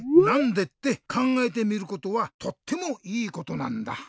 なんで？」ってかんがえてみることはとってもいいことなんだ。